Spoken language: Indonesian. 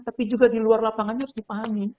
tapi juga di luar lapangannya harus dipahami